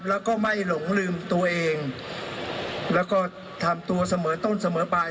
แล้วก็ไม่หลงลืมตัวเองแล้วก็ทำตัวเสมอต้นเสมอไป